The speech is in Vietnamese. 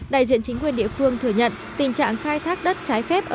đại diện chính quyền địa phương thừa nhận tình trạng khai thác đất trái phép ở ấp thái hòa